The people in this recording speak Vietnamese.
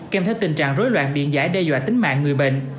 kèm theo tình trạng rối loạn điện giải đe dọa tính mạng người bệnh